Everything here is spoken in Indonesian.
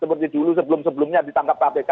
seperti dulu sebelum sebelumnya ditangkap kpk